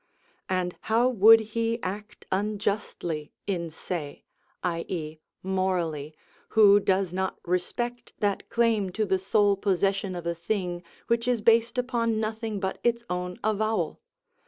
And how would he act unjustly in se, i.e., morally, who does not respect that claim to the sole possession of a thing which is based upon nothing but its own avowal?